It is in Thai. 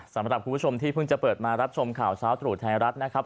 สำหรับคุณผู้ชมที่เพิ่งจะเปิดมารับชมข่าวเช้าตรู่ไทยรัฐนะครับ